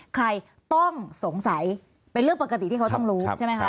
ใครต้องสงสัยเป็นเรื่องปกติที่เขาต้องรู้ใช่ไหมคะ